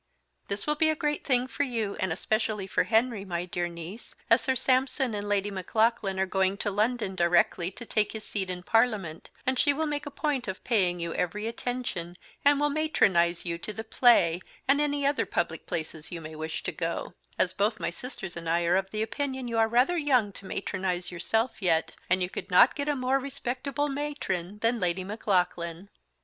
This will be a great Thing for you, and especially for Henry, my dear niece, as Sir Sampson and Lady Maclaughlan are going to London directly to take his Seat in Parliament; and she will make a point of Paying you every attention, and will Matronise you to the play, and any other Public places you may wish to go; as both my Sisters and I are of opinion you are rather Young to matronise yourself yet, and you could not get a more Respectable Matron than Lady Maclaughlan.